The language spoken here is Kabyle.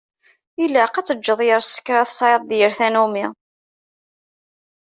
Ilaq ad teǧǧeḍ yir skra tesεiḍ d yir tannumi.